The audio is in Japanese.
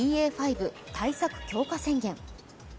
５対策強化宣言。